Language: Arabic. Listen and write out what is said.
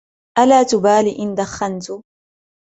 ألا تبالي إن دخنت ؟